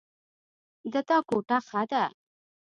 د تا کوټه ښه ده